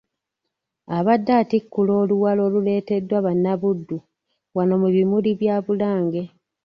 Abadde atikkula Oluwalo oluleeteddwa bannabuddu wano mu bimuli bya Bulange.